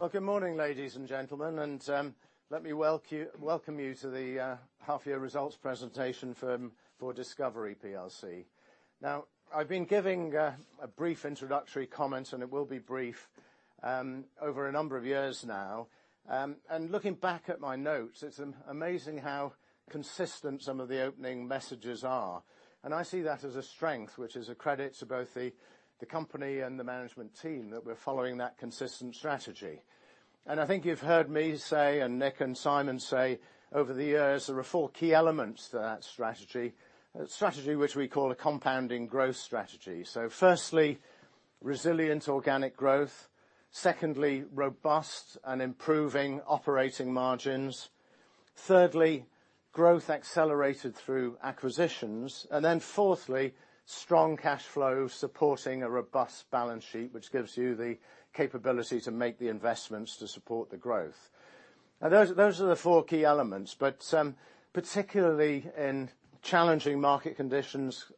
Well, good morning, ladies and gentlemen, and let me welcome you to the half-year results presentation for discoverIE Group plc. Now, I've been giving a brief introductory comment, and it will be brief, over a number of years now. Looking back at my notes, it's amazing how consistent some of the opening messages are, and I see that as a strength, which is a credit to both the company and the management team, that we're following that consistent strategy. I think you've heard me say, and Nick and Simon say, over the years, there are four key elements to that strategy, a strategy which we call a compounding growth strategy. So firstly, resilient organic growth. Secondly, robust and improving operating margins. Thirdly, growth accelerated through acquisitions. And then fourthly, strong cash flow supporting a robust balance sheet, which gives you the capability to make the investments to support the growth. Now, those, those are the four key elements, but, particularly in challenging market conditions,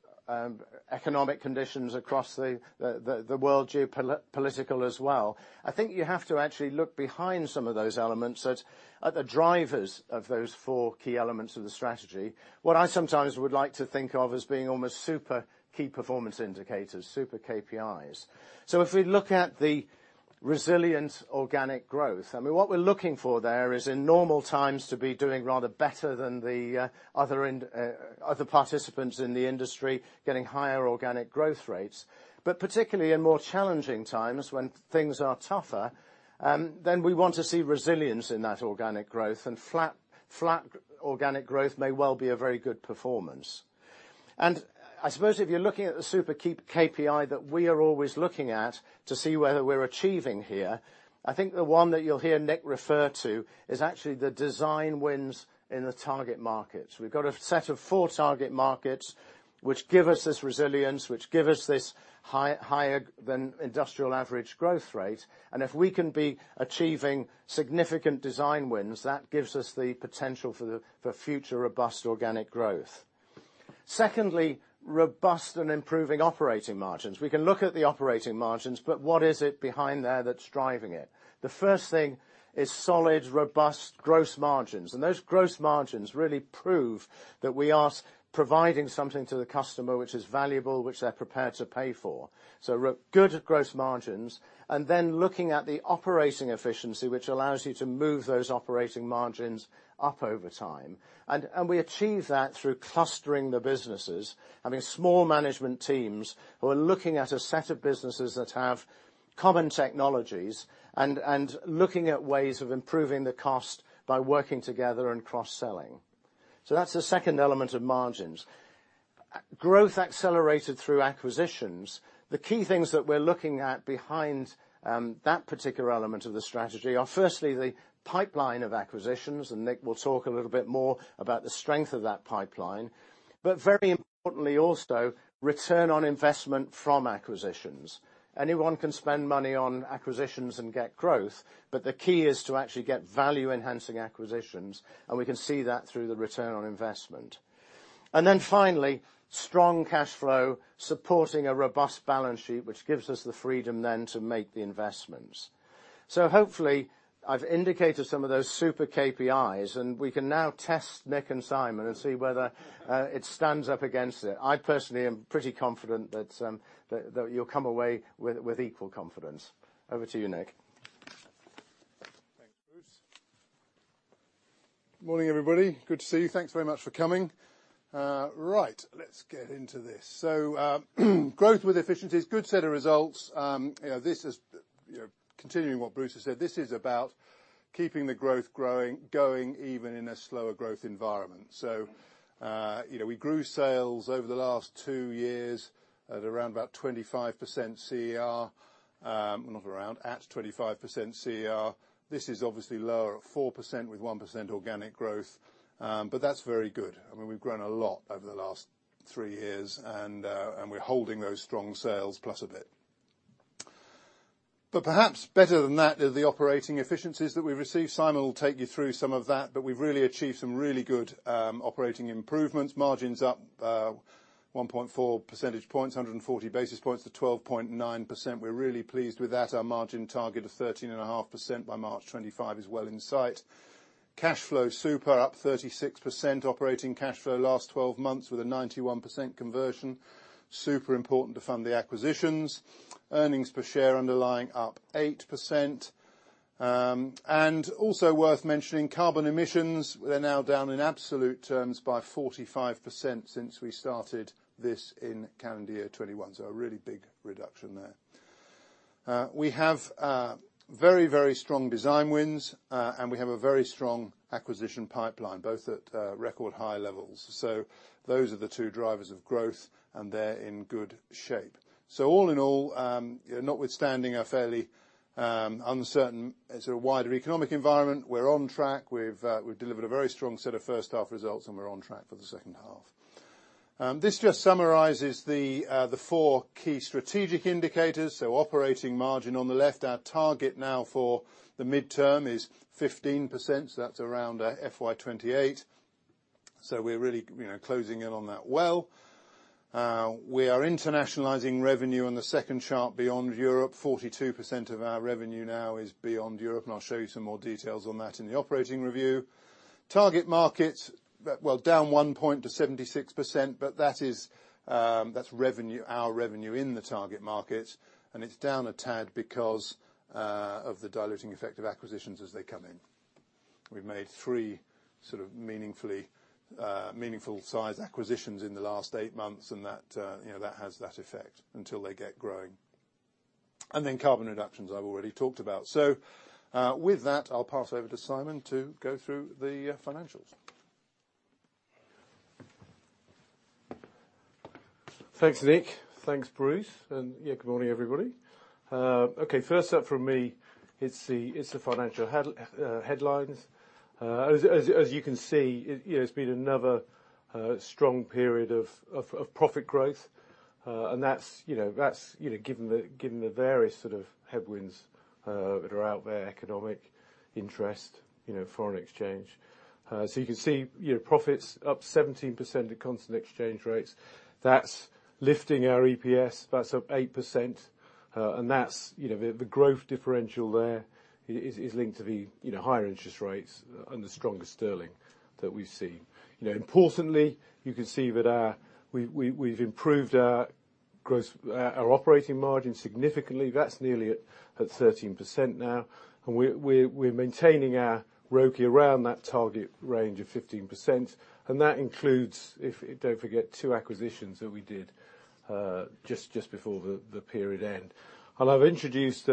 economic conditions across the, the world, geopolitical as well, I think you have to actually look behind some of those elements at the drivers of those four key elements of the strategy, what I sometimes would like to think of as being almost super key performance indicators, super KPIs. So if we look at the resilient organic growth, I mean, what we're looking for there is, in normal times, to be doing rather better than the other participants in the industry, getting higher organic growth rates. But particularly in more challenging times when things are tougher, then we want to see resilience in that organic growth, and flat, flat organic growth may well be a very good performance. And I suppose if you're looking at the key KPI that we are always looking at to see whether we're achieving here, I think the one that you'll hear Nick refer to is actually the design wins in the target markets. We've got a set of four target markets which give us this resilience, which give us this high, higher than industrial average growth rate, and if we can be achieving significant design wins, that gives us the potential for the, for future robust organic growth. Secondly, robust and improving operating margins. We can look at the operating margins, but what is it behind there that's driving it? The first thing is solid, robust gross margins, and those gross margins really prove that we are providing something to the customer which is valuable, which they're prepared to pay for. So good gross margins, and then looking at the operating efficiency, which allows you to move those operating margins up over time. And we achieve that through clustering the businesses, having small management teams who are looking at a set of businesses that have common technologies and looking at ways of improving the cost by working together and cross-selling. So that's the second element of margins. Growth accelerated through acquisitions. The key things that we're looking at behind that particular element of the strategy are firstly, the pipeline of acquisitions, and Nick will talk a little bit more about the strength of that pipeline, but very importantly also, return on investment from acquisitions. Anyone can spend money on acquisitions and get growth, but the key is to actually get value-enhancing acquisitions, and we can see that through the return on investment. Then finally, strong cash flow supporting a robust balance sheet, which gives us the freedom then to make the investments. So hopefully, I've indicated some of those super KPIs, and we can now test Nick and Simon and see whether it stands up against it. I personally am pretty confident that you'll come away with equal confidence. Over to you, Nick. Thanks, Bruce. Morning, everybody. Good to see you. Thanks very much for coming. Right, let's get into this. So, growth with efficiencies, good set of results. You know, this is, you know, continuing what Bruce has said, this is about keeping the growth growing, going even in a slower growth environment. So, you know, we grew sales over the last two years at around about 25% CER, not around, at 25% CER. This is obviously lower, at 4% with 1% organic growth, but that's very good. I mean, we've grown a lot over the last three years, and, and we're holding those strong sales plus a bit. But perhaps better than that is the operating efficiencies that we've received. Simon will take you through some of that, but we've really achieved some really good, operating improvements. Margins up, 1.4 percentage points, 140 basis points to 12.9%. We're really pleased with that. Our margin target of 13.5% by March 2025 is well in sight. Cash flow, super, up 36%. Operating cash flow last 12 months with a 91% conversion. Super important to fund the acquisitions. Earnings per share underlying up 8%. And also worth mentioning, carbon emissions, they're now down in absolute terms by 45% since we started this in calendar year 2021, so a really big reduction there. We have, very, very strong design wins, and we have a very strong acquisition pipeline, both at, record high levels. So those are the two drivers of growth, and they're in good shape. So all in all, notwithstanding a fairly, uncertain, sort of, wider economic environment, we're on track. We've delivered a very strong set of first half results, and we're on track for the second half. This just summarizes the four key strategic indicators, so operating margin on the left, our target now for the midterm is 15%, so that's around, FY 2028.... So we're really, you know, closing in on that well. We are internationalizing revenue on the second chart beyond Europe. 42% of our revenue now is beyond Europe, and I'll show you some more details on that in the operating review. Target market, well, down one point to 76%, but that is, that's revenue, our revenue in the target market, and it's down a tad because of the diluting effect of acquisitions as they come in. We've made three sort of meaningfully meaningful size acquisitions in the last eight months, and that, you know, that has that effect until they get growing. And then carbon reductions, I've already talked about. So, with that, I'll pass over to Simon to go through the financials. Thanks, Nick. Thanks, Bruce, and yeah, good morning, everybody. Okay, first up from me is the financial headlines. As you can see, it's been another strong period of profit growth, and that's given the various sort of headwinds that are out there, economic interest, foreign exchange. So you can see, profits up 17% at constant exchange rates. That's lifting our EPS, that's up 8%, and that's the growth differential there is linked to the higher interest rates and the stronger sterling that we see. You know, importantly, you can see that we, we've improved our gross, our operating margin significantly. That's nearly at 13% now, and we're maintaining our ROCE around that target range of 15%, and that includes, don't forget, two acquisitions that we did just before the period end. And I've introduced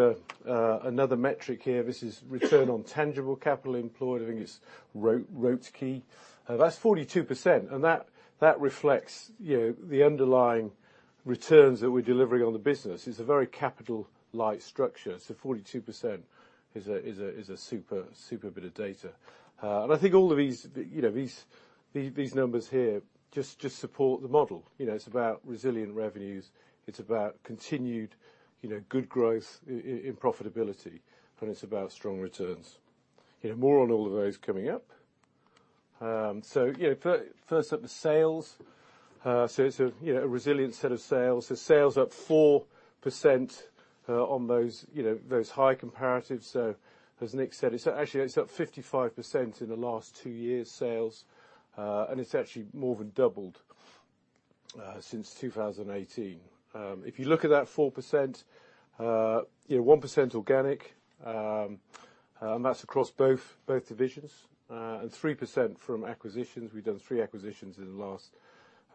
another metric here. This is return on tangible capital employed. I think it's ROTCE. That's 42%, and that reflects, you know, the underlying returns that we're delivering on the business. It's a very capital-like structure, so 42% is a super bit of data. And I think all of these, you know, these numbers here just support the model. You know, it's about resilient revenues, it's about continued, you know, good growth in profitability, and it's about strong returns. You know, more on all of those coming up. So, you know, first up is sales. So it's a, you know, a resilient set of sales. So sales up 4%, on those, you know, those high comparatives. So as Nick said, it's actually, it's up 55% in the last two years, sales, and it's actually more than doubled, since 2018. If you look at that 4%, you know, 1% organic, and that's across both, both divisions, and 3% from acquisitions. We've done three acquisitions in the last,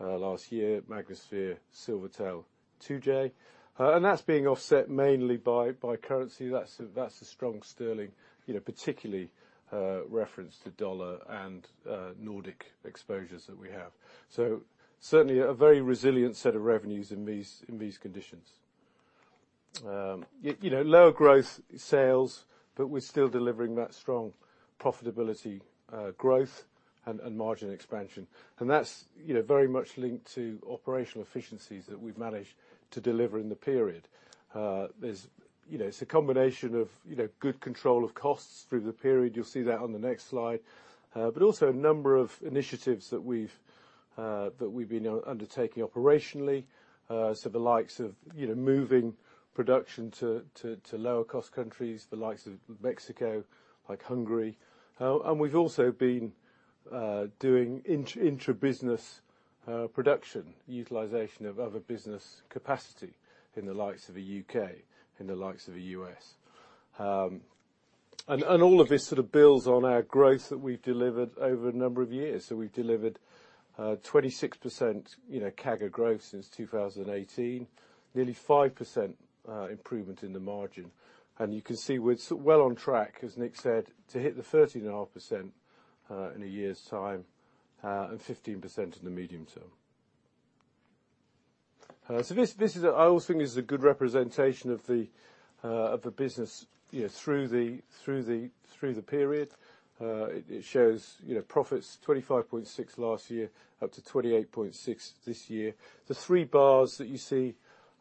last year, Magnasphere, Silvertel, 2J. And that's being offset mainly by, by currency. That's the, that's the strong sterling, you know, particularly, reference to dollar and, Nordic exposures that we have. So certainly, a very resilient set of revenues in these, in these conditions. You know, lower growth sales, but we're still delivering that strong profitability, growth and margin expansion, and that's, you know, very much linked to operational efficiencies that we've managed to deliver in the period. There's, you know, it's a combination of, you know, good control of costs through the period. You'll see that on the next slide. But also a number of initiatives that we've been undertaking operationally. So the likes of, you know, moving production to lower-cost countries, the likes of Mexico, like Hungary. And we've also been doing intra-business production, utilization of other business capacity in the likes of the U.K., in the likes of the U.S. And all of this sort of builds on our growth that we've delivered over a number of years. So we've delivered, 26%, you know, CAGR growth since 2018, nearly 5% improvement in the margin. And you can see we're well on track, as Nick said, to hit the 13.5% in a year's time, and 15% in the medium term. So this is a... I always think this is a good representation of the business, you know, through the period. It shows, you know, profits, 25.6 last year, up to 28.6 this year. The three bars that you see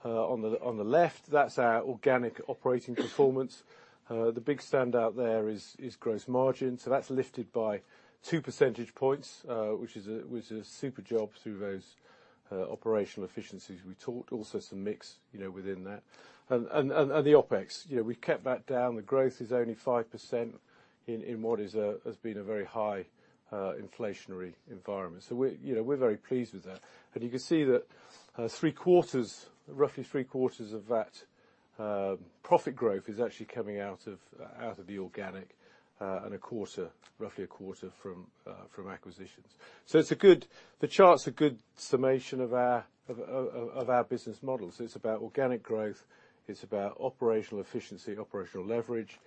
on the left, that's our organic operating performance. The big standout there is gross margin, so that's lifted by two percentage points, which is a super job through those operational efficiencies. We talked also some mix, you know, within that. The OpEx, you know, we kept that down. The growth is only 5% in what is a, has been a very high inflationary environment. So we're, you know, we're very pleased with that. And you can see that three-quarters, roughly three-quarters of that profit growth is actually coming out of the organic, and a quarter, roughly a quarter from acquisitions. So it's a good, the chart's a good summation of our business model. So it's about organic growth, it's about operational efficiency, operational leverage,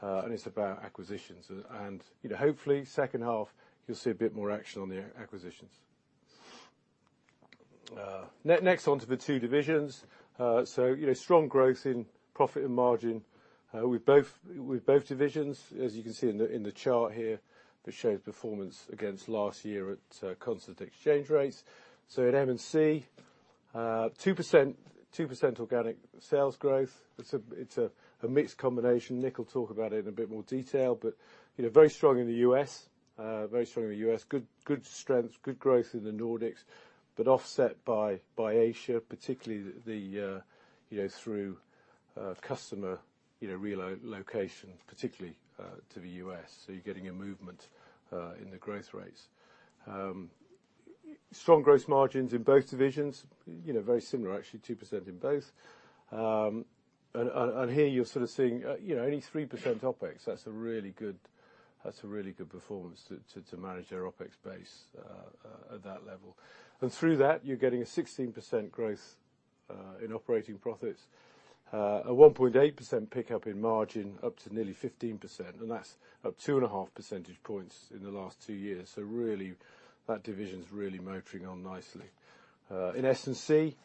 and it's about acquisitions. And, you know, hopefully, second half, you'll see a bit more action on the acquisitions. Next on to the two divisions. So, you know, strong growth in profit and margin with both divisions, as you can see in the chart here, that shows performance against last year at constant exchange rates. So in M&C. Two percent organic sales growth. It's a mixed combination. Nick will talk about it in a bit more detail, but you know, very strong in the U.S., very strong in the U.S. Good strength, good growth in the Nordics, but offset by Asia, particularly through customer relocation, particularly to the U.S. So you're getting a movement in the growth rates. Strong growth margins in both divisions, you know, very similar, actually 2% in both. here, you're sort of seeing, you know, only 3% OpEx. That's a really good performance to manage our OpEx base at that level. And through that, you're getting a 16% growth in operating profits, a 1.8% pickup in margin, up to nearly 15%, and that's up two and a half percentage points in the last two years. So really, that division's really motoring on nicely. In S&C,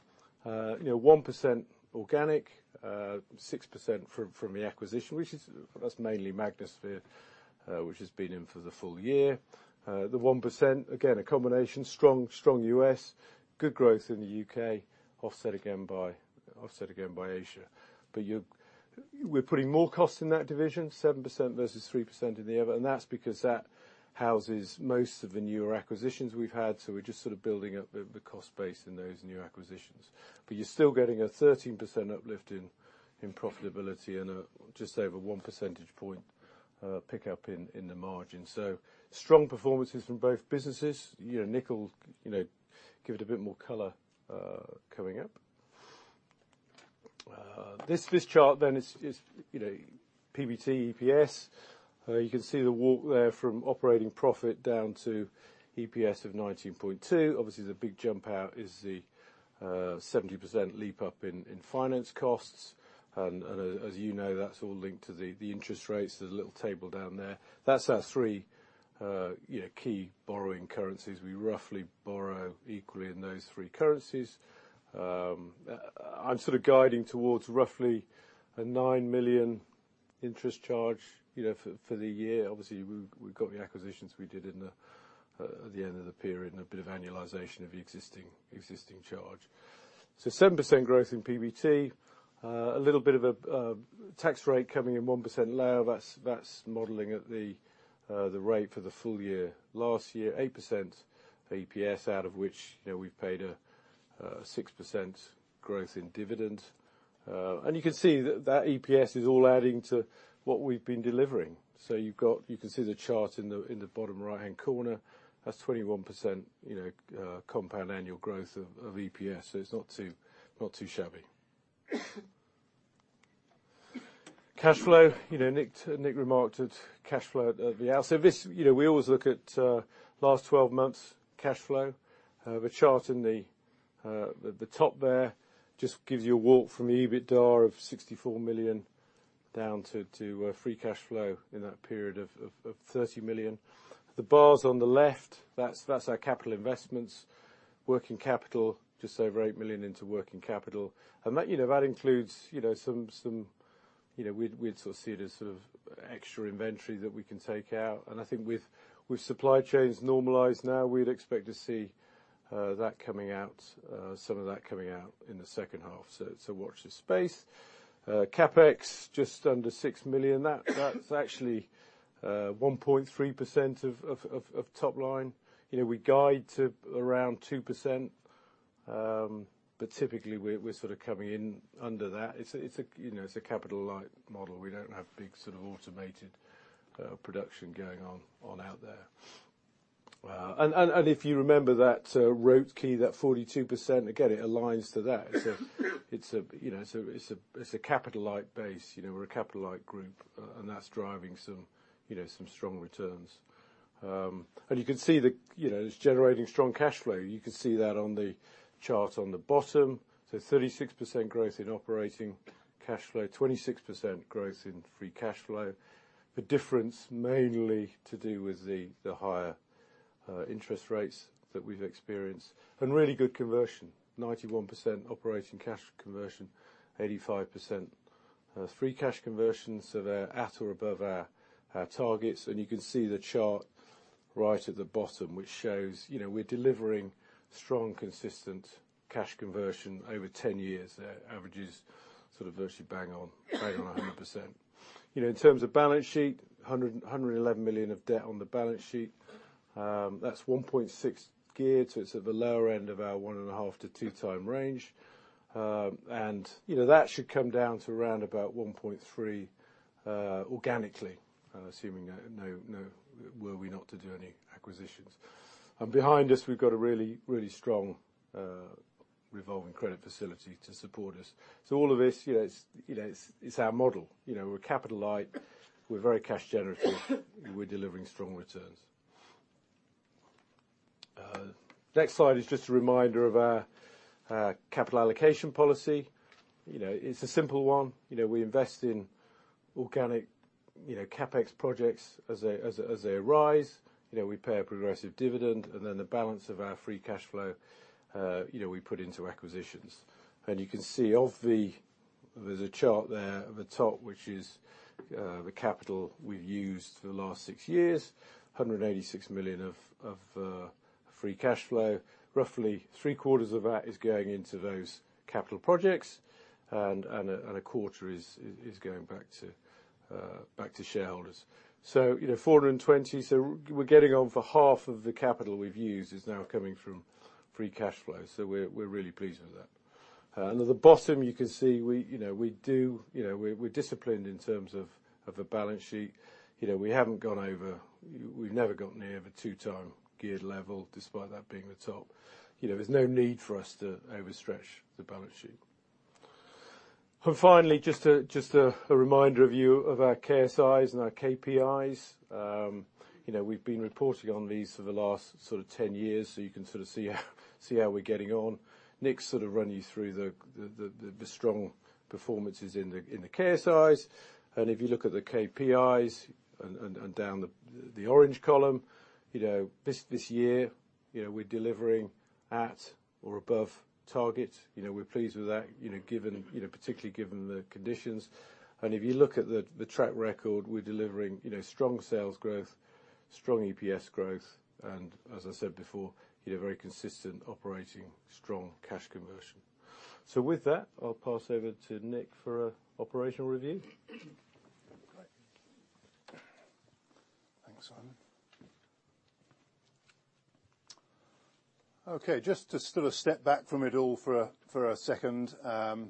you know, 1% organic, 6% from the acquisition, which is, that's mainly Magnasphere, which has been in for the full year. The 1%, again, a combination. Strong U.S., good growth in the U.K., offset again by Asia. But you're... We're putting more costs in that division, 7% versus 3% in the other, and that's because that houses most of the newer acquisitions we've had, so we're just sort of building up the cost base in those new acquisitions. But you're still getting a 13% uplift in profitability and a just over one percentage point pickup in the margin. So strong performances from both businesses. You know, Nick will, you know, give it a bit more color coming up. This chart then is, you know, PBT, EPS. You can see the walk there from operating profit down to EPS of 19.2. Obviously, the big jump out is the 70% leap up in finance costs. And as you know, that's all linked to the interest rates. There's a little table down there. That's our three, you know, key borrowing currencies. We roughly borrow equally in those three currencies. I'm sort of guiding towards roughly a 9 million interest charge, you know, for the year. Obviously, we've got the acquisitions we did in the end of the period and a bit of annualization of the existing charge. So 7% growth in PBT, a little bit of a tax rate coming in 1% lower. That's modeling at the rate for the full year. Last year, 8% EPS, out of which, you know, we've paid a 6% growth in dividend. And you can see that that EPS is all adding to what we've been delivering. So you've got. You can see the chart in the bottom right-hand corner. That's 21%, you know, compound annual growth of EPS, so it's not too, not too shabby. Cash flow, you know, Nick, Nick remarked at cash flow at the out. So this, you know, we always look at last 12 months cash flow. The chart in the top there just gives you a walk from the EBITDA of £64 million down to free cash flow in that period of £30 million. The bars on the left, that's our capital investments. Working capital, just over £8 million into working capital. And that, you know, that includes, you know, some, some, you know, we'd, we'd sort of see it as sort of extra inventory that we can take out, and I think with, with supply chains normalized now, we'd expect to see, that coming out, some of that coming out in the second half. So, so watch this space. CapEx, just under 6 million. That, that's actually, one point three percent of, of, of, of top line. You know, we guide to around 2%, but typically we're, we're sort of coming in under that. It's a, it's a, you know, it's a capital-light model. We don't have big sort of automated, production going on, on out there. And, and, and if you remember that, ROTCE, that 42%, again, it aligns to that. It's a capital-light base, you know. You know, we're a capital-light group, and that's driving some, you know, some strong returns. And you can see the, you know, it's generating strong cash flow. You can see that on the chart on the bottom. So 36% growth in operating cash flow, 26% growth in free cash flow. The difference mainly to do with the higher interest rates that we've experienced, and really good conversion, 91% operating cash conversion, 85% free cash conversion. So they're at or above our targets, and you can see the chart right at the bottom, which shows, you know, we're delivering strong, consistent cash conversion over 10 years. The average is sort of virtually bang on, bang on 100%. You know, in terms of balance sheet, 111 million of debt on the balance sheet. That's 1.6 geared, so it's at the lower end of our 1.5-2x range. And, you know, that should come down to around about 1.3, organically, assuming, were we not to do any acquisitions. And behind us, we've got a really, really strong, revolving credit facility to support us. So all of this, yeah, it's, you know, it's, it's our model. You know, we're capital light, we're very cash generative, and we're delivering strong returns. Next slide is just a reminder of our, capital allocation policy. You know, it's a simple one. You know, we invest in organic, you know, CapEx projects as they, as, as they arise. You know, we pay a progressive dividend, and then the balance of our free cash flow, you know, we put into acquisitions, and you can see of the, there's a chart there at the top, which is, the capital we've used for the last six years, 186 million of free cash flow. Roughly three quarters of that is going into those capital projects, and a quarter is going back to shareholders. So, you know, 420 million, so we're getting on for half of the capital we've used is now coming from free cash flow. So we're really pleased with that. And at the bottom, you can see we, you know, we do, you know, we're disciplined in terms of the balance sheet. You know, we haven't gone over—we've never gotten near the 2x geared level, despite that being the top. You know, there's no need for us to overstretch the balance sheet. And finally, just a reminder of our KSIs and our KPIs. You know, we've been reporting on these for the last sort of 10 years, so you can sort of see how we're getting on. Nick sort of run you through the strong performances in the KSIs. And if you look at the KPIs and down the orange column, you know, this year, you know, we're delivering at or above target. You know, we're pleased with that, you know, given, you know, particularly given the conditions. If you look at the track record, we're delivering, you know, strong sales growth, strong EPS growth, and as I said before, you know, very consistent operating, strong cash conversion. So with that, I'll pass over to Nick for an operational review. Great. Thanks, Simon. Okay, just to sort of step back from it all for a second, and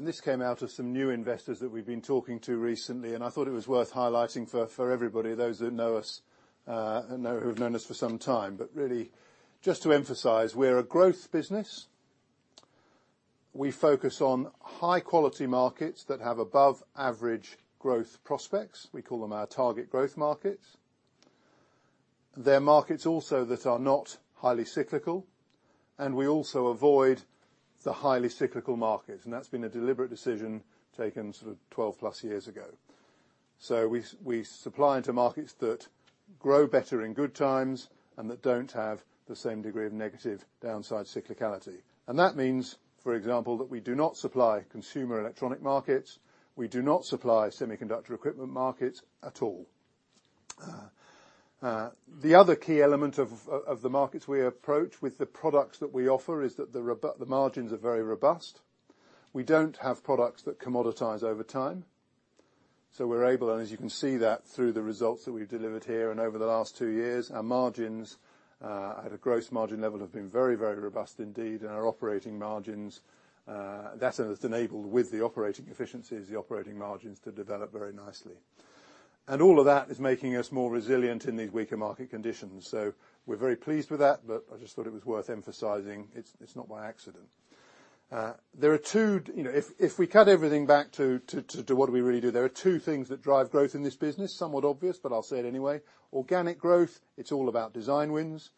this came out of some new investors that we've been talking to recently, and I thought it was worth highlighting for everybody, those that know us, and know who have known us for some time. But really, just to emphasize, we're a growth business. We focus on high-quality markets that have above-average growth prospects. We call them our target growth markets. They're markets also that are not highly cyclical, and we also avoid the highly cyclical markets, and that's been a deliberate decision taken sort of 12+ years ago. So we supply into markets that grow better in good times and that don't have the same degree of negative downside cyclicality. And that means, for example, that we do not supply consumer electronic markets, we do not supply semiconductor equipment markets at all. The other key element of the markets we approach with the products that we offer is that the margins are very robust. We don't have products that commoditize over time, so we're able, and as you can see that through the results that we've delivered here and over the last two years, our margins at a gross margin level have been very, very robust indeed, and our operating margins, that has enabled with the operating efficiencies, the operating margins to develop very nicely. And all of that is making us more resilient in these weaker market conditions, so we're very pleased with that, but I just thought it was worth emphasizing. It's not by accident. There are two... You know, if we cut everything back to what we really do, there are two things that drive growth in this business. Somewhat obvious, but I'll say it anyway. Organic growth, it's all about design wins,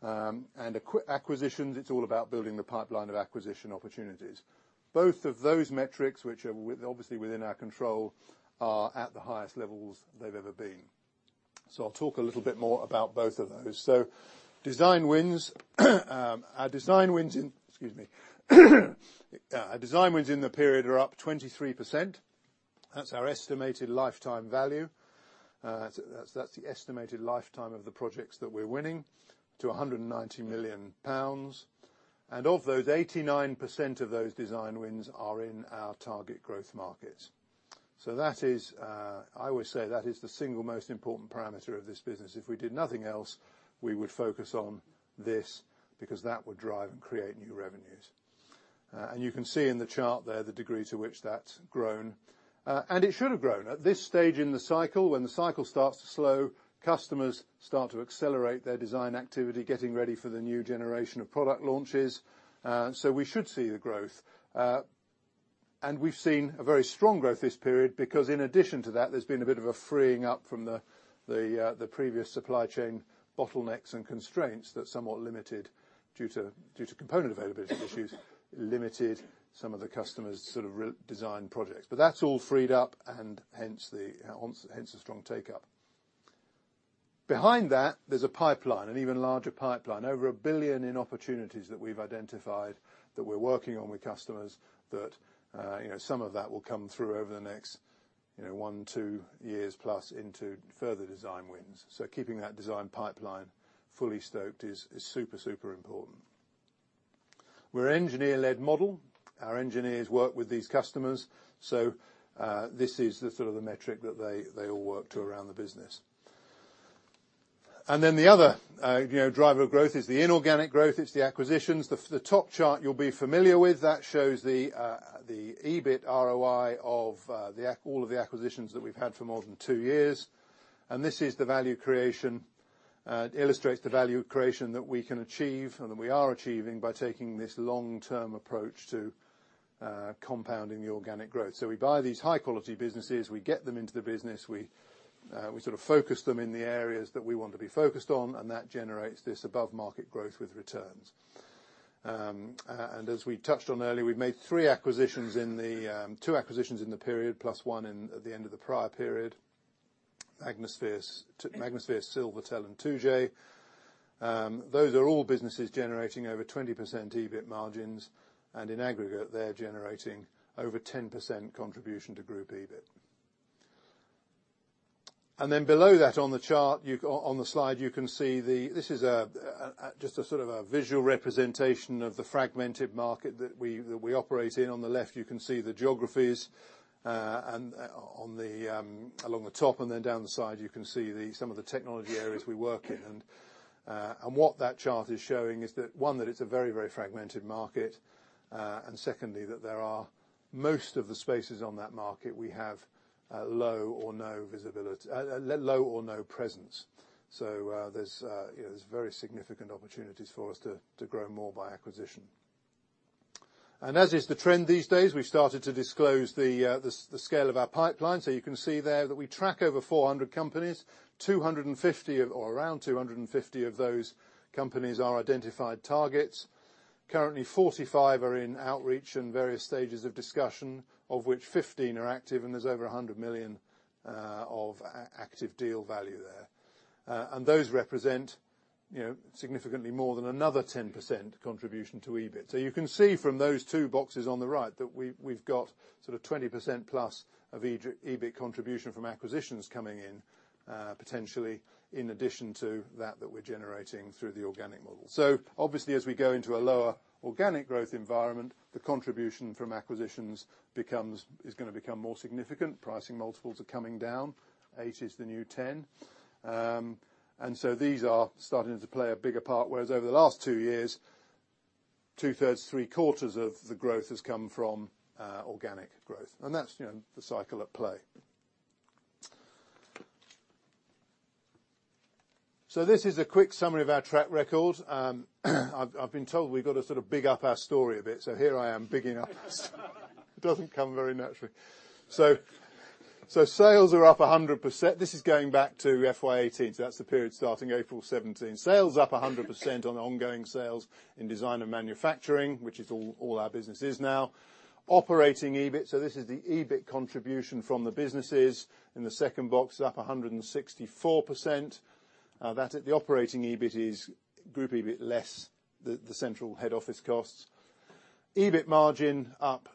and acquisitions, it's all about building the pipeline of acquisition opportunities. Both of those metrics, which are, obviously, within our control, are at the highest levels they've ever been. So I'll talk a little bit more about both of those. So design wins. Our design wins in the period are up 23%. That's our estimated lifetime value. That's the estimated lifetime of the projects that we're winning, to 190 million pounds. And of those, 89% of those design wins are in our target growth markets. That is, I always say that is the single most important parameter of this business. If we did nothing else, we would focus on this because that would drive and create new revenues. You can see in the chart there, the degree to which that's grown, and it should have grown. At this stage in the cycle, when the cycle starts to slow, customers start to accelerate their design activity, getting ready for the new generation of product launches, so we should see the growth. We've seen a very strong growth this period because in addition to that, there's been a bit of a freeing up from the previous supply chain bottlenecks and constraints that somewhat limited, due to component availability issues, some of the customers' sort of redesign projects. But that's all freed up and hence the, hence the strong take-up. Behind that, there's a pipeline, an even larger pipeline, over 1 billion in opportunities that we've identified, that we're working on with customers, that, you know, some of that will come through over the next, you know, one, two years plus into further design wins. So keeping that design pipeline fully stoked is, is super, super important. We're an engineer-led model. Our engineers work with these customers, so, this is the sort of the metric that they, they all work to around the business. And then the other, you know, driver of growth is the inorganic growth, it's the acquisitions. The top chart you'll be familiar with, that shows the, the EBIT ROI of, the all of the acquisitions that we've had for more than two years. This is the value creation. It illustrates the value creation that we can achieve and that we are achieving by taking this long-term approach to compounding the organic growth. So we buy these high-quality businesses, we get them into the business, we sort of focus them in the areas that we want to be focused on, and that generates this above-market growth with returns. And as we touched on earlier, we've made three acquisitions, two in the period, plus one at the end of the prior period. Magnasphere, Silvertel, and 2J. Those are all businesses generating over 20% EBIT margins, and in aggregate, they're generating over 10% contribution to group EBIT. And then below that on the chart, you can see on the slide—this is just a sort of a visual representation of the fragmented market that we operate in. On the left, you can see the geographies, and along the top, and then down the side, you can see some of the technology areas we work in. And what that chart is showing is that, one, that it's a very, very fragmented market, and secondly, that there are most of the spaces on that market we have low or no presence. So there's very significant opportunities for us to grow more by acquisition. And as is the trend these days, we've started to disclose the scale of our pipeline. So you can see there that we track over 400 companies, 250 of, or around 250 of those companies are identified targets. Currently, 45 are in outreach and various stages of discussion, of which 15 are active, and there's over £100 million of active deal value there. And those represent, you know, significantly more than another 10% contribution to EBIT. So you can see from those two boxes on the right that we, we've got sort of 20%+ of EBIT contribution from acquisitions coming in, potentially, in addition to that, that we're generating through the organic model. So obviously, as we go into a lower organic growth environment, the contribution from acquisitions becomes, is gonna become more significant. Pricing multiples are coming down. Eight is the new ten. And so these are starting to play a bigger part, whereas over the last two years, two-thirds, three-quarters of the growth has come from organic growth, and that's, you know, the cycle at play. So this is a quick summary of our track record. I've been told we've got to sort of big up our story a bit, so here I am bigging up. It doesn't come very naturally. So sales are up 100%. This is going back to FY 2018, so that's the period starting April 2017. Sales up 100% on ongoing sales in design and manufacturing, which is all our business is now. Operating EBIT, so this is the EBIT contribution from the businesses. In the second box, up 164%. That, the operating EBIT is group EBIT less the, the central head office costs. EBIT margin up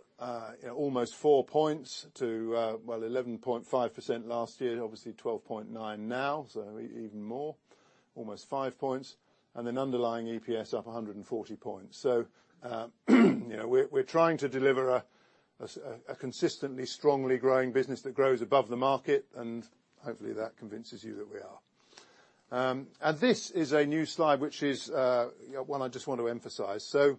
almost four points to 11.5% last year, obviously 12.9% now, so even more, almost five points, and then underlying EPS up 140 points. So, you know, we're trying to deliver a consistently strongly growing business that grows above the market, and hopefully, that convinces you that we are. And this is a new slide, which is, you know, one I just want to emphasize. So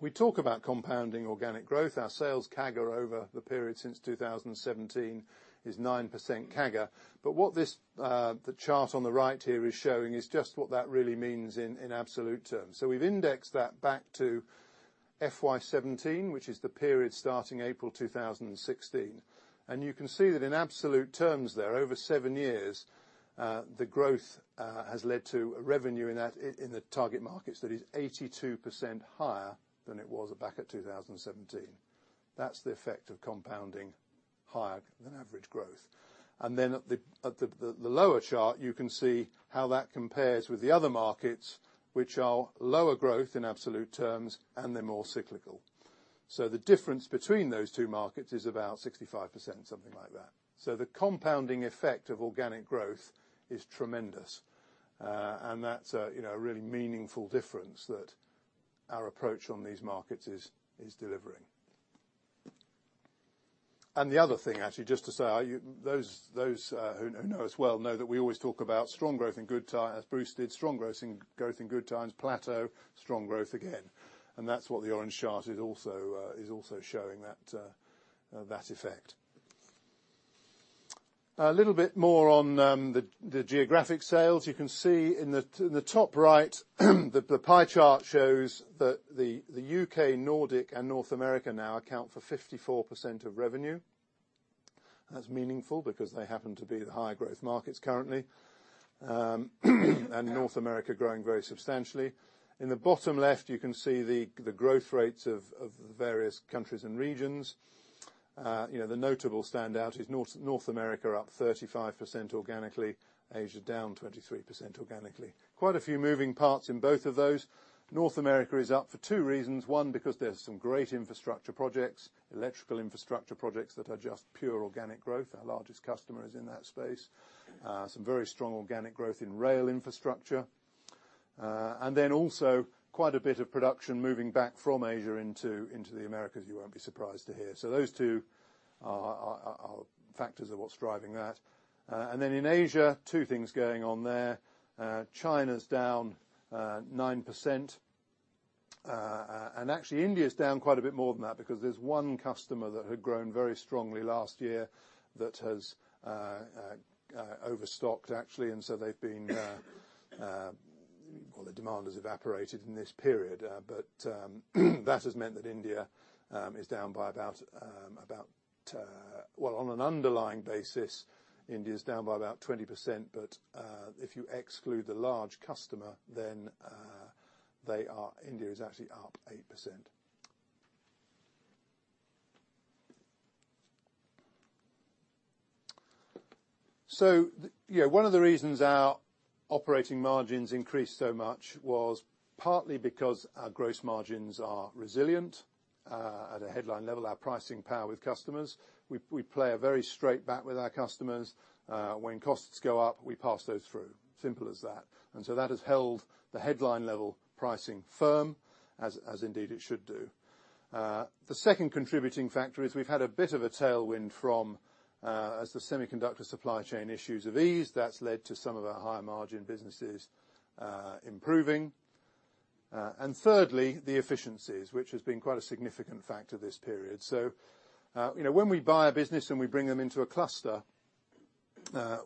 we talk about compounding organic growth. Our sales CAGR over the period since 2017 is 9% CAGR. But what this, the chart on the right here is showing is just what that really means in absolute terms. So we've indexed that back to FY17, which is the period starting April 2016. And you can see that in absolute terms there, over seven years, the growth has led to revenue in that in the target markets that is 82% higher than it was back at 2017. That's the effect of compounding higher than average growth. And then at the lower chart, you can see how that compares with the other markets, which are lower growth in absolute terms, and they're more cyclical. So the difference between those two markets is about 65%, something like that. So the compounding effect of organic growth is tremendous, and that's a, you know, a really meaningful difference that our approach on these markets is delivering. And the other thing, actually, just to say, those who know us well know that we always talk about strong growth in good times, as Bruce did, strong growth in growth in good times, plateau, strong growth again. And that's what the orange chart is also showing that effect. A little bit more on the geographic sales. You can see in the top right, the pie chart shows that the U.K., Nordic, and North America now account for 54% of revenue. That's meaningful because they happen to be the higher growth markets currently, and North America growing very substantially. In the bottom left, you can see the growth rates of the various countries and regions. You know, the notable standout is North America, up 35% organically, Asia, down 23% organically. Quite a few moving parts in both of those. North America is up for two reasons. One, because there's some great infrastructure projects, electrical infrastructure projects that are just pure organic growth. Our largest customer is in that space. Some very strong organic growth in rail infrastructure. And then also quite a bit of production moving back from Asia into the Americas, you won't be surprised to hear. So those two are factors of what's driving that. And then in Asia, two things going on there. China's down 9%, and actually, India is down quite a bit more than that because there's one customer that had grown very strongly last year that has overstocked, actually, and so they've been... Well, the demand has evaporated in this period, but that has meant that India is down by about... Well, on an underlying basis, India is down by about 20%, but if you exclude the large customer, then India is actually up 8%.... So, you know, one of the reasons our operating margins increased so much was partly because our gross margins are resilient. At a headline level, our pricing power with customers, we play a very straight bat with our customers. When costs go up, we pass those through, simple as that. And so that has held the headline level pricing firm, as indeed it should do. The second contributing factor is we've had a bit of a tailwind from, as the semiconductor supply chain issues have eased, that's led to some of our higher margin businesses, improving. And thirdly, the efficiencies, which has been quite a significant factor this period. So, you know, when we buy a business and we bring them into a cluster,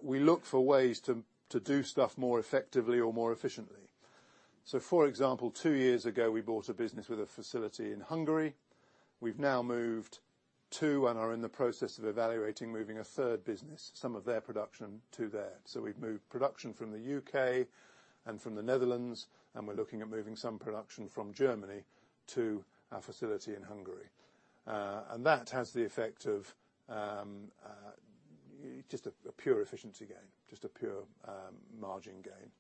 we look for ways to, to do stuff more effectively or more efficiently. So for example, two years ago, we bought a business with a facility in Hungary. We've now moved two and are in the process of evaluating, moving a third business, some of their production to there. So we've moved production from the U.K. and from the Netherlands, and we're looking at moving some production from Germany to our facility in Hungary. And that has the effect of just a pure efficiency gain, just a pure margin gain.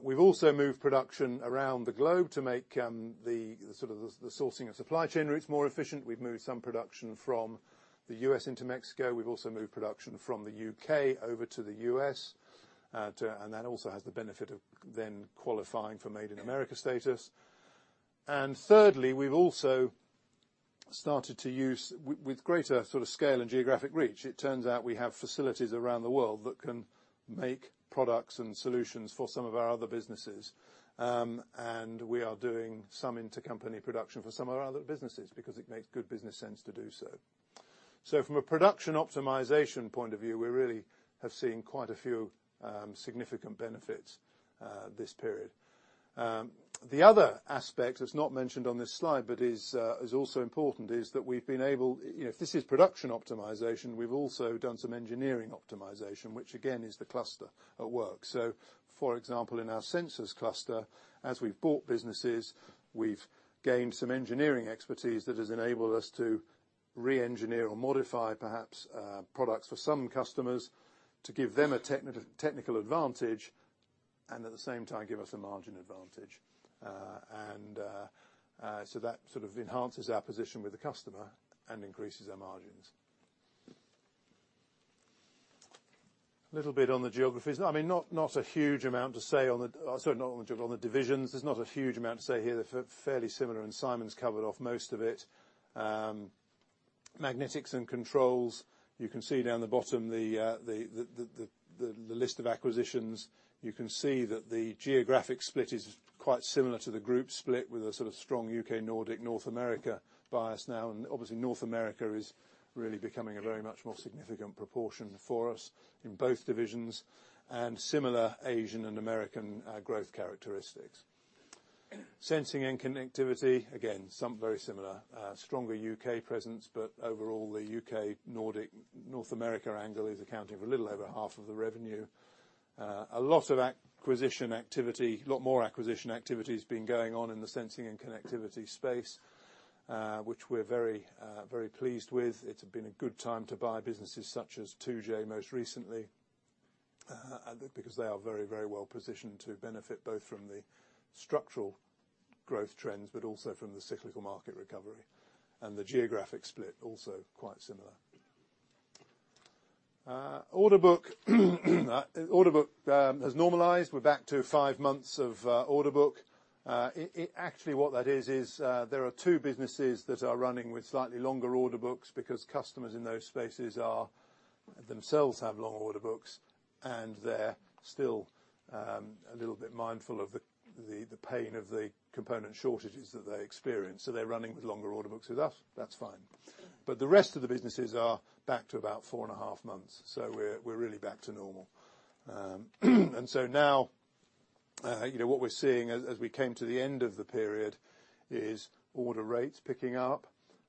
We've also moved production around the globe to make the sort of sourcing and supply chain routes more efficient. We've moved some production from the U.S. into Mexico. We've also moved production from the U.K. over to the U.S., and that also has the benefit of then qualifying for Made in America status. And thirdly, we've also started to use with greater sort of scale and geographic reach, it turns out we have facilities around the world that can make products and solutions for some of our other businesses. And we are doing some intercompany production for some of our other businesses because it makes good business sense to do so. So from a production optimization point of view, we really have seen quite a few, significant benefits, this period. The other aspect that's not mentioned on this slide, but is, is also important, is that we've been able... You know, if this is production optimization, we've also done some engineering optimization, which again, is the cluster at work. So for example, in our sensors cluster, as we've bought businesses, we've gained some engineering expertise that has enabled us to reengineer or modify, perhaps, products for some customers to give them a technical advantage, and at the same time, give us a margin advantage. And, so that sort of enhances our position with the customer and increases our margins. little bit on the geographies. I mean, not a huge amount to say on the, sorry, not on the divisions. There's not a huge amount to say here. They're fairly similar, and Simon's covered off most of it. Magnetics and Controls, you can see down the bottom, the list of acquisitions. You can see that the geographic split is quite similar to the group split, with a sort of strong U.K., Nordic, North America bias now. And obviously, North America is really becoming a very much more significant proportion for us in both divisions and similar Asian and American growth characteristics. Sensing and Connectivity, again, some very similar, stronger U.K. presence, but overall, the U.K., Nordic, North America angle is accounting for a little over half of the revenue. A lot of acquisition activity, a lot more acquisition activity has been going on in the sensing and connectivity space, which we're very, very pleased with. It's been a good time to buy businesses such as 2J, most recently, because they are very, very well positioned to benefit both from the structural growth trends, but also from the cyclical market recovery, and the geographic split, also quite similar. Order book. Order book has normalized. We're back to five months of order book. Actually, what that is, is, there are two businesses that are running with slightly longer order books because customers in those spaces are, themselves, have long order books, and they're still a little bit mindful of the, the pain of the component shortages that they experienced, so they're running with longer order books with us. That's fine. But the rest of the businesses are back to about four and a half months, so we're really back to normal. And so now, you know, what we're seeing as we came to the end of the period is order rates picking up,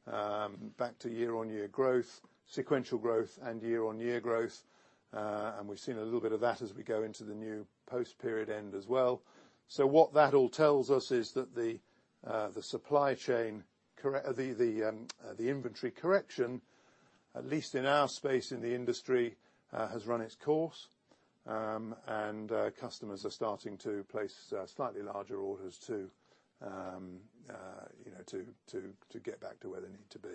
back to year-on-year growth, sequential growth, and year-on-year growth. And we've seen a little bit of that as we go into the new post-period end as well. So what that all tells us is that the inventory correction, at least in our space in the industry, has run its course, and customers are starting to place slightly larger orders to, you know, to get back to where they need to be.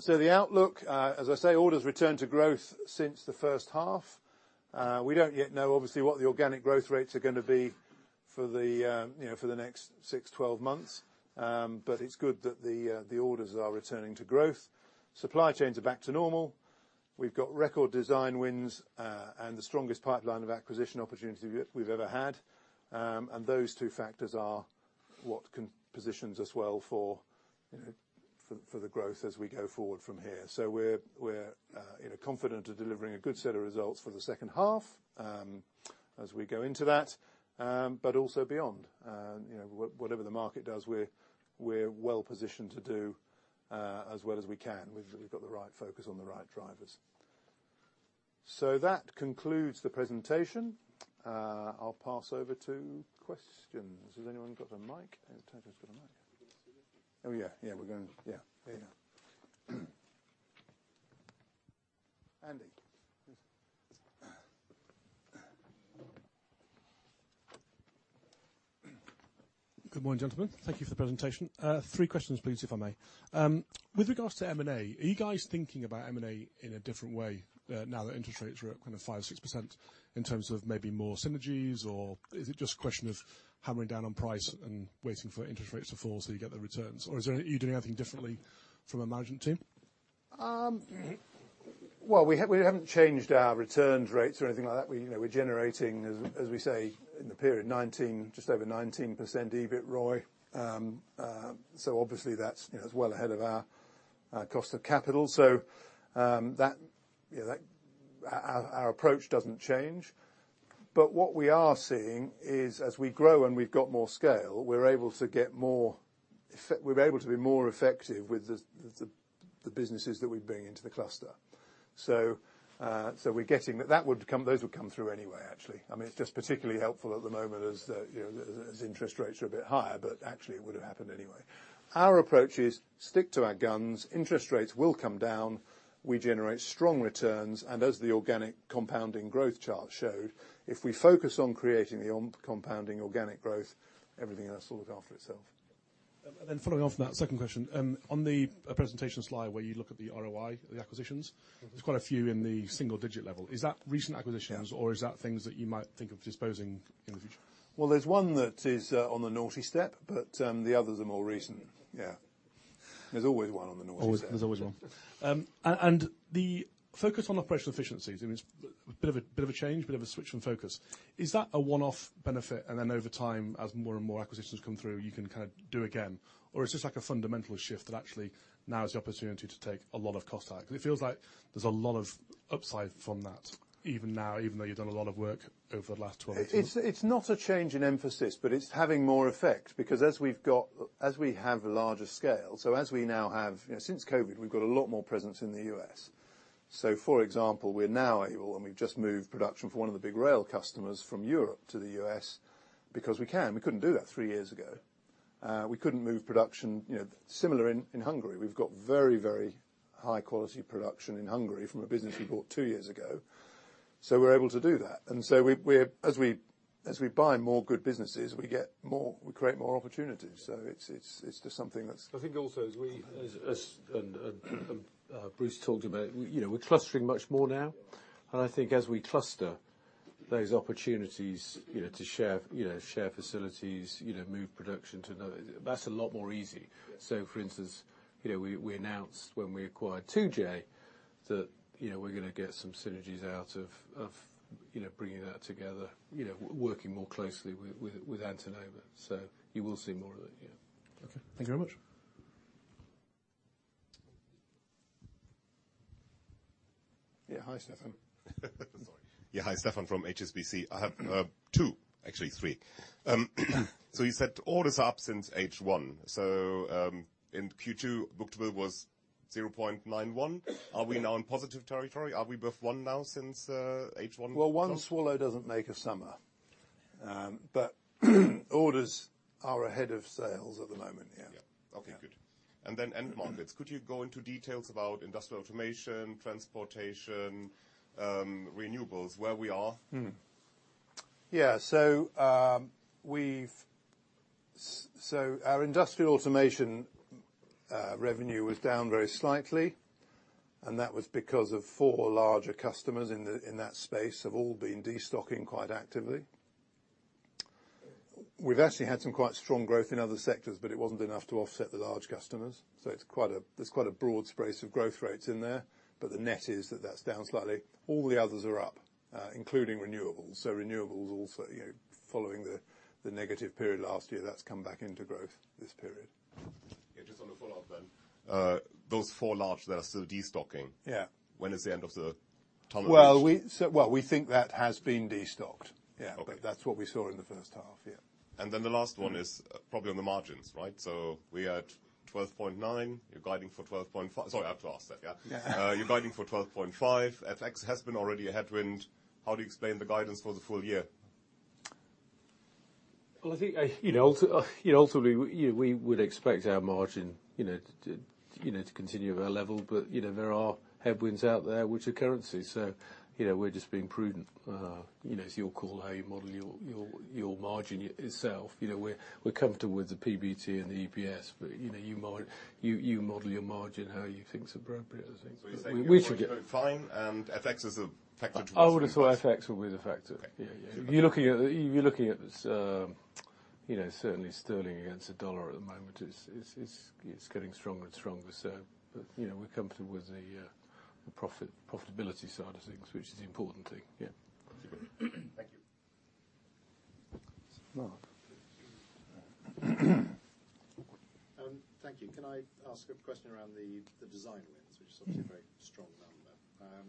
So the outlook, as I say, orders return to growth since the first half. We don't yet know, obviously, what the organic growth rates are gonna be for the, you know, for the next six, 12 months, but it's good that the, the orders are returning to growth. Supply chains are back to normal. We've got record design wins, and the strongest pipeline of acquisition opportunity we've ever had. And those two factors are what can positions us well for, you know, for, for the growth as we go forward from here. So we're, you know, confident of delivering a good set of results for the second half, as we go into that, but also beyond. You know, whatever the market does, we're well positioned to do, as well as we can. We've got the right focus on the right drivers. So that concludes the presentation. I'll pass over to questions. Has anyone got a mic? I think Tiger's got a mic. Oh, yeah, yeah, we're going, yeah. There you go. Andy. Good morning, gentlemen. Thank you for the presentation. Three questions, please, if I may. With regards to M&A, are you guys thinking about M&A in a different way, now that interest rates are up kind of 5%-6%, in terms of maybe more synergies? Or is it just a question of hammering down on price and waiting for interest rates to fall so you get the returns? Or are you doing anything differently from a management team? Well, we have, we haven't changed our returns rates or anything like that. We, you know, we're generating, as we say, in the period, 19, just over 19% EBIT ROI. So obviously, that's, you know, well ahead of our cost of capital. So, that, you know, that, our, our approach doesn't change. But what we are seeing is, as we grow and we've got more scale, we're able to be more effective with the businesses that we bring into the cluster. So, so we're getting, that would come, those would come through anyway, actually. I mean, it's just particularly helpful at the moment as, you know, as interest rates are a bit higher, but actually, it would have happened anyway. Our approach is stick to our guns. Interest rates will come down, we generate strong returns, and as the organic compounding growth chart showed, if we focus on creating the compounding organic growth, everything else will look after itself. Then following on from that, second question. On the presentation slide, where you look at the ROI, the acquisitions- Mm-hmm. There's quite a few in the single-digit level. Is that recent acquisitions? Yeah... or is that things that you might think of disposing in the future? Well, there's one that is on the naughty step, but the others are more recent. Yeah. There's always one on the naughty step. There's always one. And the focus on operational efficiencies, I mean, it's a bit of a change, a bit of a switch from focus. Is that a one-off benefit, and then over time, as more and more acquisitions come through, you can kind of do again? Or is this like a fundamental shift that actually now is the opportunity to take a lot of cost out? Because it feels like there's a lot of upside from that even now, even though you've done a lot of work over the last 12 to- It's not a change in emphasis, but it's having more effect. Because as we have a larger scale, so as we now have... You know, since COVID, we've got a lot more presence in the U.S.. So, for example, we're now able, and we've just moved production for one of the big rail customers from Europe to the U.S., because we can. We couldn't do that three years ago. We couldn't move production, you know, similar in Hungary. We've got very, very high quality production in Hungary from a business we bought two years ago. So we're able to do that. And so we're, as we buy more good businesses, we get more, we create more opportunities. So it's just something that's- I think also, as we and Bruce talked about, you know, we're clustering much more now. I think as we cluster, those opportunities, you know, to share, you know, share facilities, you know, move production to another, that's a lot more easy. Yeah. So, for instance, you know, we announced when we acquired 2J that, you know, we're going to get some synergies out of, you know, bringing that together, you know, working more closely with Antenova. So you will see more of it, yeah. Okay. Thank you very much. Yeah, hi, Stefan. Sorry. Yeah, hi, Stefan from HSBC. I have two, actually three. So you said orders are up since H1. So, in Q2, book to bill was 0.91. Are we now in positive territory? Are we above one now since H1? Well, one swallow doesn't make a summer. But orders are ahead of sales at the moment, yeah. Yeah. Okay, good. Yeah. And then end markets. Could you go into details about industrial automation, transportation, renewables, where we are? Mm-hmm. Yeah. So, our industrial automation revenue was down very slightly, and that was because of four larger customers in that space have all been destocking quite actively. We've actually had some quite strong growth in other sectors, but it wasn't enough to offset the large customers. So it's quite a broad spread of growth rates in there, but the net is that that's down slightly. All the others are up, including renewables. So renewables also, you know, following the negative period last year, that's come back into growth this period. Yeah, just on a follow-up then. Those four large that are still destocking- Yeah... when is the end of the tunnel? Well, we think that has been destocked. Yeah. Okay. But that's what we saw in the first half, yeah. And then the last one is probably on the margins, right? So we are at 12.9. You're guiding for 12.5. Sorry, I have to ask that, yeah. Yeah. You're guiding for 12.5. FX has been already a headwind. How do you explain the guidance for the full year? Well, I think, you know, ultimately, we would expect our margin, you know, to continue at our level. But, you know, there are headwinds out there, which are currency. So, you know, we're just being prudent. You know, it's your call, how you model your margin itself. You know, we're comfortable with the PBT and the EPS, but, you know, you model your margin how you think it's appropriate, I think. We should get- You're saying we're doing fine, and FX is a factor towards- I would assume FX will be the factor. Okay. Yeah, yeah. You're looking at, you're looking at, you know, certainly sterling against the dollar at the moment, it's, it's, it's, it's getting stronger and stronger. So, but, you know, we're comfortable with the, the profit, profitability side of things, which is the important thing. Yeah. Thank you. Mark. Thank you. Can I ask a question around the, the design wins, which is obviously a very strong number?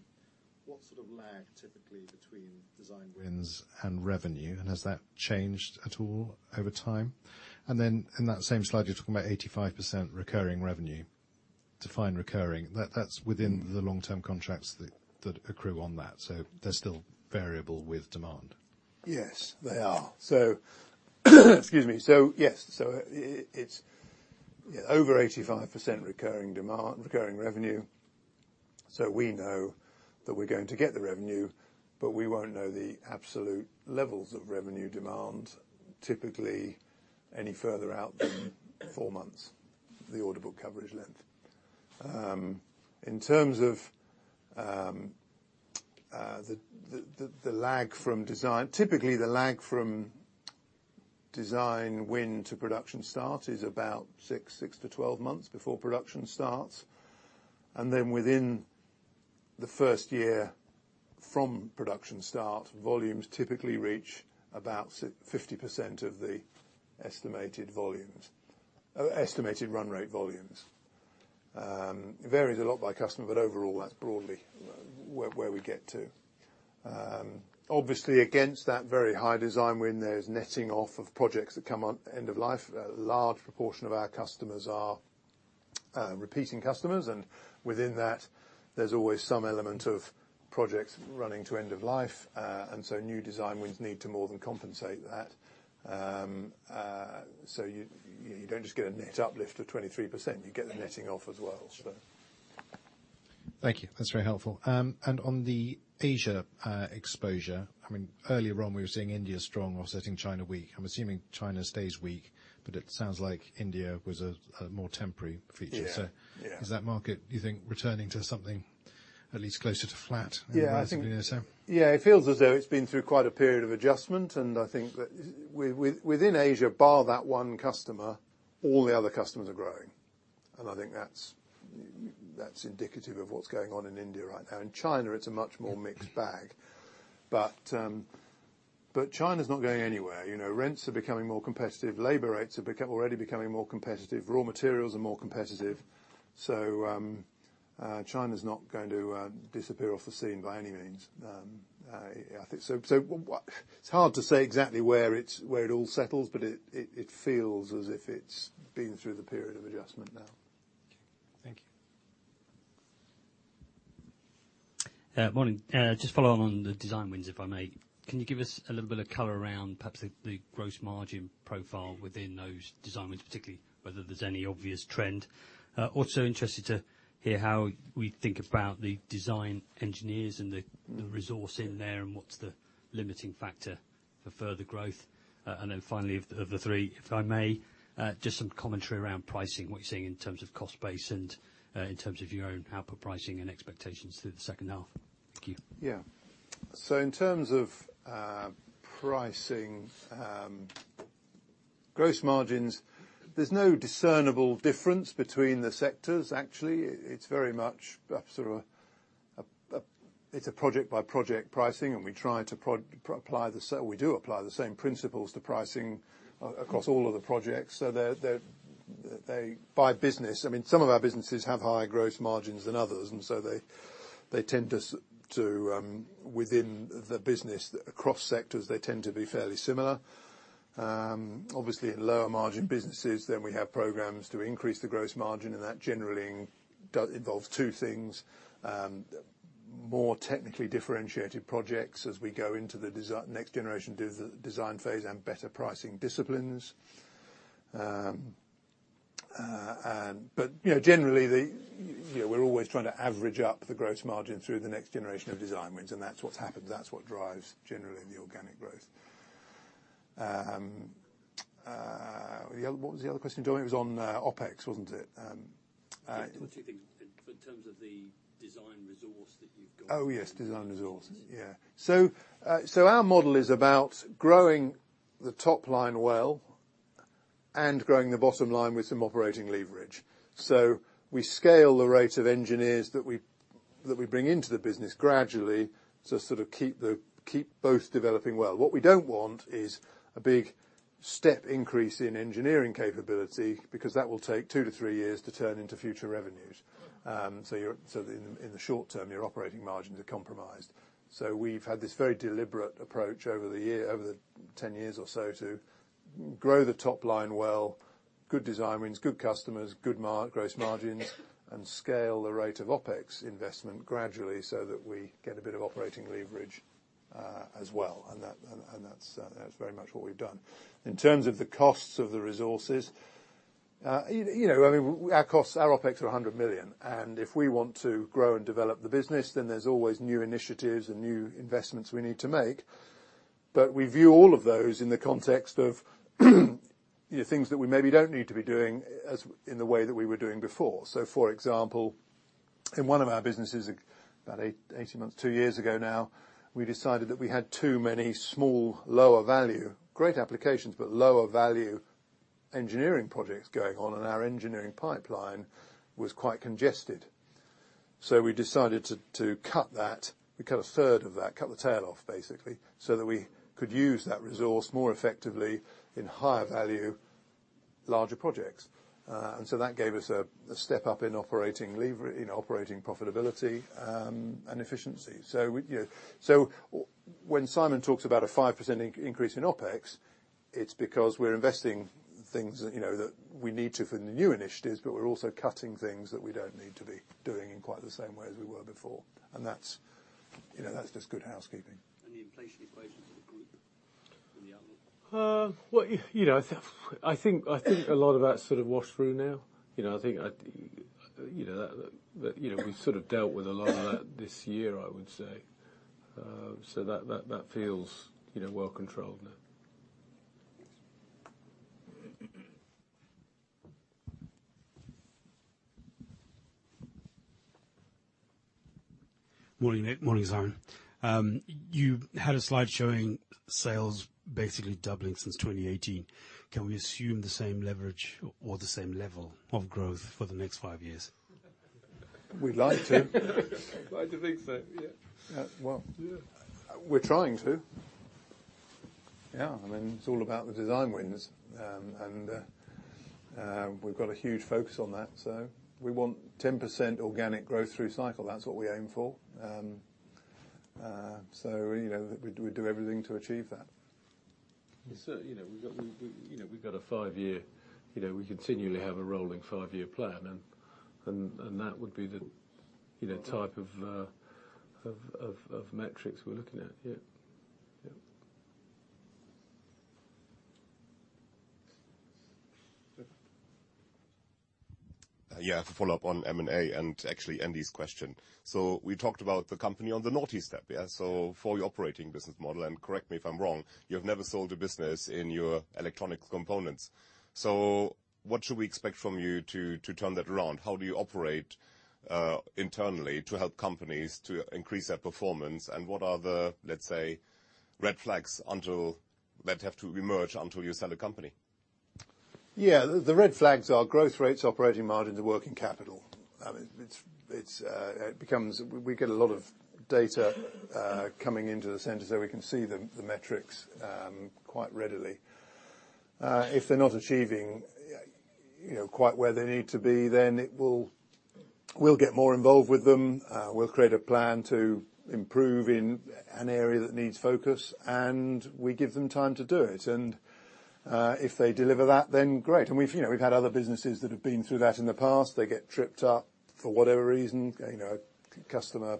What sort of lag typically between design wins and revenue, and has that changed at all over time? And then in that same slide, you're talking about 85% recurring revenue... define recurring, that, that's within the long-term contracts that, that accrue on that, so they're still variable with demand? Yes, they are. Excuse me. Yes, it's over 85% recurring demand, recurring revenue, so we know that we're going to get the revenue, but we won't know the absolute levels of revenue demand, typically any further out than four months, the order book coverage length. In terms of the lag from design, typically, the lag from design win to production start is about six-12 months before production starts. And then within the first year from production start, volumes typically reach about 50% of the estimated volumes, estimated run rate volumes. It varies a lot by customer, but overall, that's broadly where we get to. Obviously, against that very high design win, there's netting off of projects that come on end of life. A large proportion of our customers are repeating customers, and within that, there's always some element of projects running to end of life. And so new design wins need to more than compensate that. So you don't just get a net uplift of 23%, you get the netting off as well, so. Thank you. That's very helpful. And on the Asia exposure, I mean, earlier on, we were seeing India strong offsetting China weak. I'm assuming China stays weak, but it sounds like India was a more temporary feature. Yeah, yeah. Is that market, do you think, returning to something at least closer to flat in the last year or so? Yeah, it feels as though it's been through quite a period of adjustment, and I think that within Asia, bar that one customer, all the other customers are growing. And I think that's indicative of what's going on in India right now. In China, it's a much more mixed bag, but China's not going anywhere. You know, rents are becoming more competitive, labor rates are already becoming more competitive, raw materials are more competitive. So, China's not going to disappear off the scene by any means. I think it's hard to say exactly where it all settles, but it feels as if it's been through the period of adjustment now. Thank you. Morning. Just follow on, on the design wins, if I may. Can you give us a little bit of color around perhaps the, the gross margin profile within those design wins, particularly whether there's any obvious trend? Also interested to hear how we think about the design engineers and the, the resource in there, and what's the limiting factor for further growth. And then finally, of the, of the three, if I may, just some commentary around pricing, what you're seeing in terms of cost base and, in terms of your own output pricing and expectations through the second half. Thank you. Yeah. So in terms of pricing, gross margins, there's no discernible difference between the sectors actually. It's very much sort of a, it's a project-by-project pricing, and we try to apply the same, we do apply the same principles to pricing across all of the projects. So by business, I mean, some of our businesses have higher gross margins than others, and so they tend to, within the business, across sectors, they tend to be fairly similar. Obviously, in lower margin businesses, then we have programs to increase the gross margin, and that generally involves two things, more technically differentiated projects as we go into the next generation design phase and better pricing disciplines. You know, generally, we're always trying to average up the gross margin through the next generation of design wins, and that's what's happened. That's what drives generally the organic growth. The other, what was the other question, Joey? It was on OpEx, wasn't it? Yeah, what do you think in terms of the design resource that you've got? Oh, yes, design resources, yeah. So, so our model is about growing the top line well and growing the bottom line with some operating leverage. So we scale the rate of engineers that we bring into the business gradually to sort of keep both developing well. What we don't want is a big step increase in engineering capability, because that will take two-three years to turn into future revenues. So in the short term, your operating margins are compromised. So we've had this very deliberate approach over the year, over the 10 years or so, to grow the top line well, good design wins, good customers, good gross margins, and scale the rate of OpEx investment gradually so that we get a bit of operating leverage, as well. That's very much what we've done. In terms of the costs of the resources, you know, I mean, our costs, our OpEx are 100 million, and if we want to grow and develop the business, then there's always new initiatives and new investments we need to make, but we view all of those in the context of, you know, things that we maybe don't need to be doing as, in the way that we were doing before. So for example, in one of our businesses, about 18 months, two years ago now, we decided that we had too many small, lower value, great applications, but lower value engineering projects going on, and our engineering pipeline was quite congested. So we decided to cut that, we cut a third of that, cut the tail off, basically, so that we could use that resource more effectively in higher value, larger projects. And so that gave us a step up in operating profitability, and efficiency. So we, you know... So when Simon talks about a 5% increase in OpEx, it's because we're investing things that, you know, that we need to for the new initiatives, but we're also cutting things that we don't need to be doing in quite the same way as we were before. And that's... You know, that's just good housekeeping. And the inflation equation for the group and the outlook? Well, you know, I think a lot of that sort of washed through now. You know, I think you know, that you know, we sort of dealt with a lot of that this year, I would say. So that feels, you know, well controlled now. Morning, Nick. Morning, Simon. You had a slide showing sales basically doubling since 2018. Can we assume the same leverage or the same level of growth for the next five years? We'd like to. Like to think so, yeah. Uh, well- Yeah. We're trying to. Yeah, I mean, it's all about the design wins. We've got a huge focus on that, so we want 10% organic growth through cycle. That's what we aim for. You know, we do everything to achieve that. So, you know, we've got a five-year... You know, we continually have a rolling five-year plan, and that would be the, you know, type of metrics we're looking at. Yeah. Yeah. Stefan? Yeah, to follow up on M&A, and actually, Andy's question: so we talked about the company on the naughty step, yeah? So for your operating business model, and correct me if I'm wrong, you have never sold a business in your electronic components. So what should we expect from you to turn that around? How do you operate internally to help companies to increase their performance? And what are the, let's say, red flags until that have to emerge until you sell a company? Yeah, the red flags are growth rates, operating margins, and working capital. It's it becomes-- We get a lot of data coming into the centers, so we can see the metrics quite readily. If they're not achieving, you know, quite where they need to be, then it will... We'll get more involved with them. We'll create a plan to improve in an area that needs focus, and we give them time to do it, and, if they deliver that, then great. And we've, you know, we've had other businesses that have been through that in the past. They get tripped up for whatever reason, you know, customer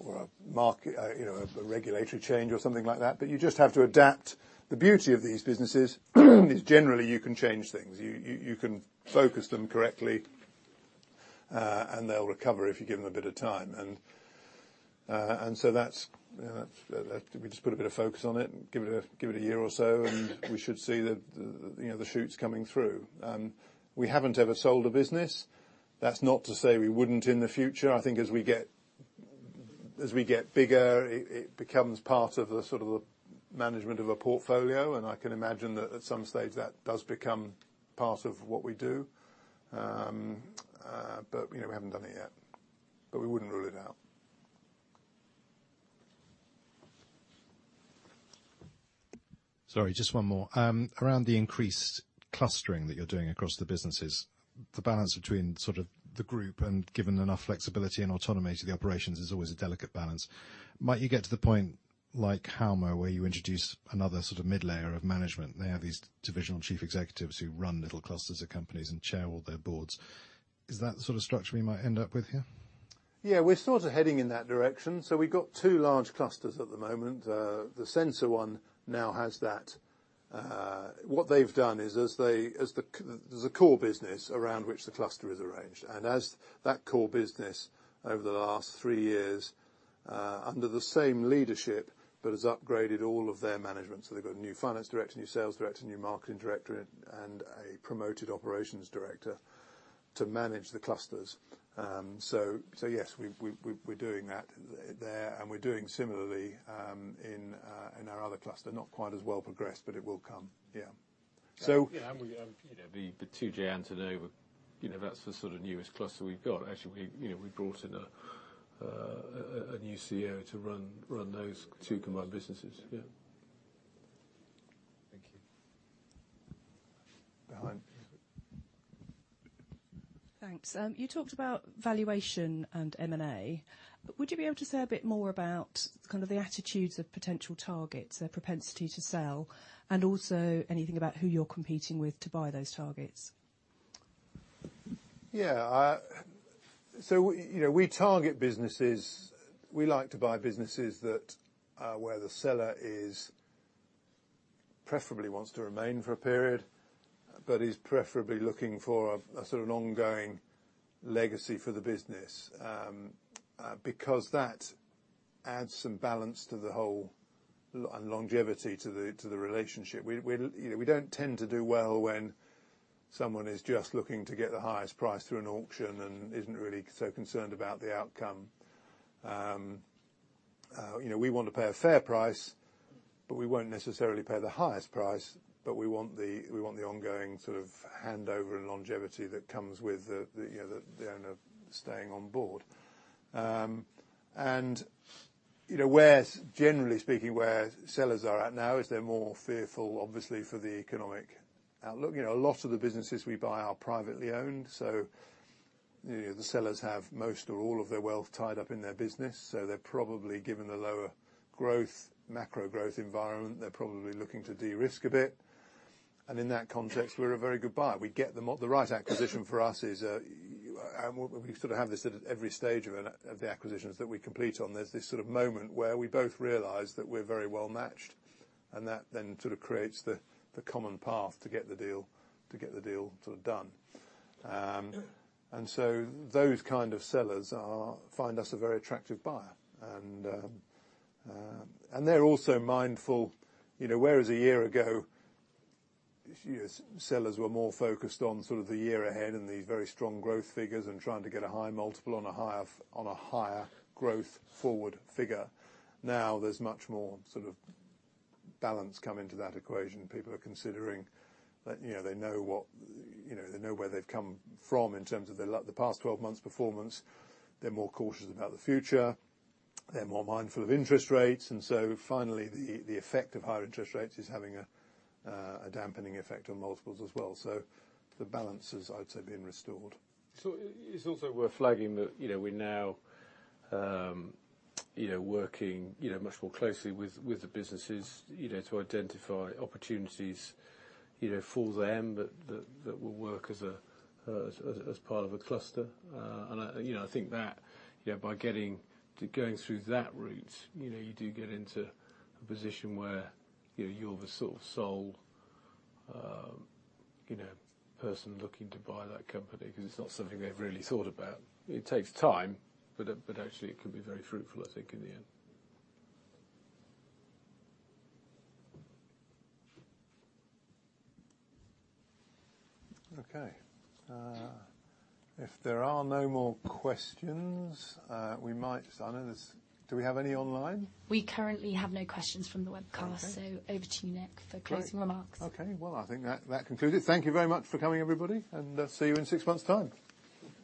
or a market, you know, a regulatory change or something like that, but you just have to adapt. The beauty of these businesses is generally you can change things. You can focus them correctly, and they'll recover if you give them a bit of time. We just put a bit of focus on it and give it a year or so, and we should see the, you know, the shoots coming through. We haven't ever sold a business. That's not to say we wouldn't in the future. I think as we get bigger, it becomes part of the sort of management of a portfolio, and I can imagine that at some stage, that does become part of what we do. But, you know, we haven't done it yet, but we wouldn't rule it out. Sorry, just one more. Around the increased clustering that you're doing across the businesses, the balance between sort of the group and giving enough flexibility and autonomy to the operations is always a delicate balance. Might you get to the point, like Halma, where you introduce another sort of mid-layer of management? They have these divisional Chief Executives who run little clusters of companies and chair all their boards. Is that the sort of structure we might end up with here? Yeah, we're sort of heading in that direction. So we've got two large clusters at the moment. The sensor one now has that. What they've done is there's a core business around which the cluster is arranged, and as that core business, over the last three years, under the same leadership, but has upgraded all of their management, so they've got a new finance director, new sales director, new marketing director, and a promoted operations director to manage the clusters. So, yes, we're doing that there, and we're doing similarly in our other cluster, not quite as well progressed, but it will come. Yeah. So- Yeah, and we, you know, the 2J Antennas, you know, that's the sort of newest cluster we've got. Actually, we, you know, we brought in a new CEO to run those two combined businesses. Yeah. Thank you. Behind. Thanks. You talked about valuation and M&A. Would you be able to say a bit more about kind of the attitudes of potential targets, their propensity to sell, and also anything about who you're competing with to buy those targets? Yeah, so, you know, we target businesses... We like to buy businesses that, where the seller is, preferably wants to remain for a period, but is preferably looking for a sort of an ongoing legacy for the business, because that adds some balance to the whole, and longevity to the relationship. We, you know, we don't tend to do well when someone is just looking to get the highest price through an auction and isn't really so concerned about the outcome. You know, we want to pay a fair price, but we won't necessarily pay the highest price, but we want the ongoing sort of handover and longevity that comes with the, you know, the owner staying on board. You know, generally speaking, where sellers are at now is they're more fearful, obviously, for the economic outlook. You know, a lot of the businesses we buy are privately owned, so, you know, the sellers have most or all of their wealth tied up in their business, so they're probably given the lower growth, macro growth environment, they're probably looking to de-risk a bit. In that context, we're a very good buyer. The right acquisition for us is, and we sort of have this at every stage of the acquisitions that we complete. There's this sort of moment where we both realize that we're very well matched, and that then sort of creates the common path to get the deal done. And so those kind of sellers find us a very attractive buyer. And they're also mindful, you know, whereas a year ago, sellers were more focused on sort of the year ahead and the very strong growth figures and trying to get a high multiple on a higher, on a higher growth forward figure. Now, there's much more sort of balance come into that equation. People are considering that, you know, they know what, you know, they know where they've come from in terms of the past 12 months performance. They're more cautious about the future. They're more mindful of interest rates, and so finally, the effect of higher interest rates is having a dampening effect on multiples as well. So the balance has, I'd say, been restored. So, it's also worth flagging that, you know, we're now working, you know, much more closely with the businesses, you know, to identify opportunities, you know, for them, but that will work as part of a cluster. And I, you know, I think that, you know, by going through that route, you know, you do get into a position where, you know, you're the sort of sole person looking to buy that company, 'cause it's not something they've really thought about. It takes time, but actually, it can be very fruitful, I think, in the end. Okay. If there are no more questions, we might... I know there's-- Do we have any online? We currently have no questions from the webcast. Okay. So over to you, Nick, for closing remarks. Great. Okay, well, I think that, that concludes it. Thank you very much for coming, everybody, and see you in six months' time.